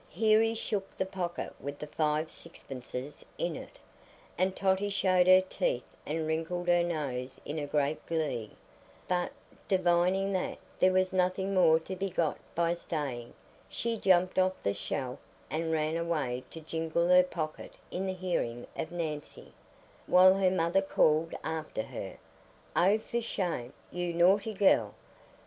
Here he shook the pocket with the five sixpences in it, and Totty showed her teeth and wrinkled her nose in great glee; but, divining that there was nothing more to be got by staying, she jumped off the shelf and ran away to jingle her pocket in the hearing of Nancy, while her mother called after her, "Oh for shame, you naughty gell!